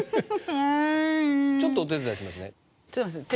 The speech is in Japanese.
ちょっとお手伝いしますね。